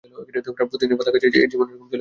প্রতিদিনের বাঁধা কাজে জীবন একরকম চলে যাচ্ছিল।